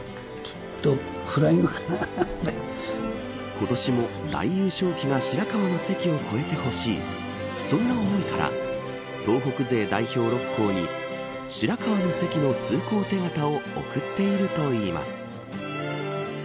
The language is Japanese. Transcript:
今年も大優勝旗が白河の関を越えてほしいそんな思いから東北勢代表６校に白河の関の通行手形を送っているといいます。